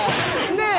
ねえ。